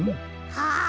はあ。